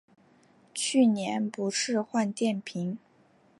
去年不是换电瓶